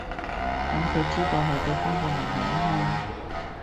等佢知道係對方嘅問題吖嘛